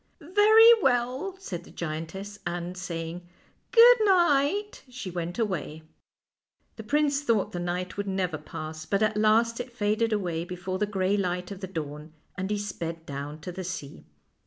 " Very well," said the giantess, and, saying " good night," she went away. The prince thought the night would never pass, but at last it faded aw r ay before the gray light of the dawn, and he sped down to the sea.